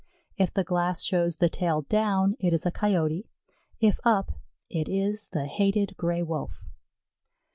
If the glass shows the tail down, it is a Coyote; if up, it is the hated Gray wolf.